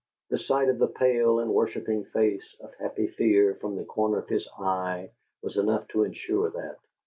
The sight of the pale and worshipping face of Happy Fear from the corner of his eye was enough to insure that.